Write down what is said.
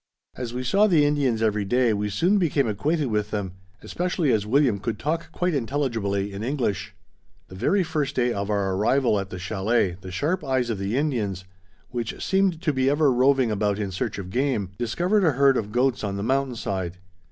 As we saw the Indians every day we soon became acquainted with them, especially as William could talk quite intelligibly in English. The very first day of our arrival at the chalet the sharp eyes of the Indians, which seemed to be ever roving about in search of game, discovered a herd of goats on the mountain side.